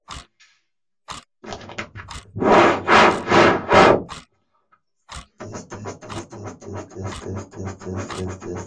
Mais celui-ci s'enfuit pour ne pas compromettre le mariage de sa bienfaitrice.